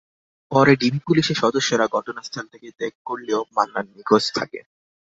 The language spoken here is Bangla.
পরে ডিবি পুলিশের সদস্যরা ঘটনাস্থল থেকে ত্যাগ করলেও মান্নান নিখোঁজ থাকেন।